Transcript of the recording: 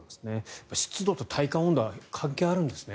湿度と体感温度は関係あるんですね。